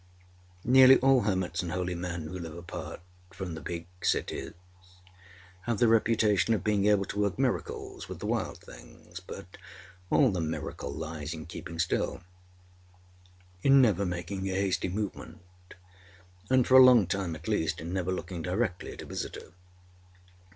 Nearly all hermits and holy men who live apart from the big cities have the reputation of being able to work miracles with the wild things, but all the miracle lies in keeping still, in never making a hasty movement, and, for a long time, at least, in never looking directly at a visitor.